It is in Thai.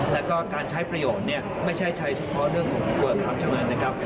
แล้วก็การใช้ประโยชน์ไม่ใช่ใช้เฉพาะเรื่องของกลัวครามชะมัดนะครับ